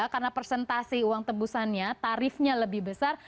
karena persentase uang tebusannya tarifnya lebih besar